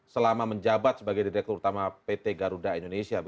selama menjabat sebagai direktur utama pt garuda indonesia